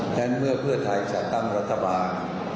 ฉะนั้นเมื่อเพื่อไทยจัดตั้งรัฐบาล